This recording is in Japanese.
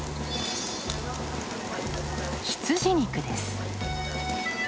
羊肉です。